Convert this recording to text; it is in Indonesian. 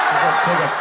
jangan takut takuti kita